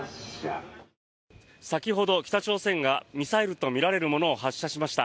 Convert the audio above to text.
先ほど北朝鮮がミサイルとみられるものを発射しました。